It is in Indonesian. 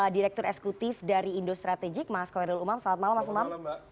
direktur esekutif dari indostrategic mas koyerul umam selamat malam mas umam